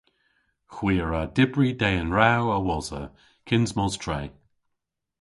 Hwi a wra dybri dehen rew a-wosa kyns mos tre.